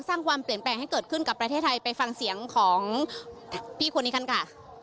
สร้างความเปลี่ยนแปลงให้เกิดขึ้นกับประเทศไทยไปฟังเสียงของพี่คนนี้กันค่ะ